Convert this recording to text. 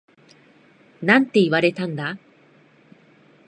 なんて言われたんだ？